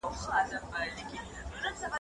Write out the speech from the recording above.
بهرنۍ پالیسي د نړیوالي همکارۍ مخه نه نیسي.